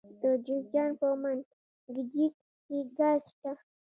د جوزجان په منګجیک کې ګاز شته.